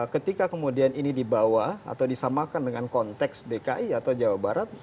ketika kemudian ini dibawa atau disamakan dengan konteks dki atau jawa barat